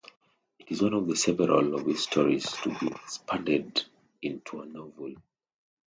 It is one of several of his stories to be expanded into a novel.